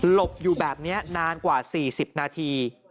บอยู่แบบนี้นานกว่า๔๐นาที